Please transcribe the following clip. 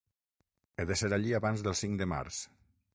He de ser allí abans del cinc de març.